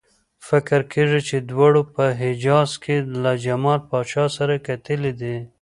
فکر کېږي چې دواړو په حجاز کې له جمال پاشا سره کتلي دي.